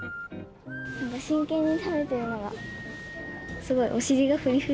真剣に食べてるのが、すごい、お尻がふりふり。